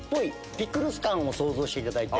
ピクルス感も想像していただいて。